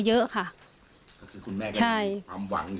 คุณแม่ก็มีความหวังใช่ไหม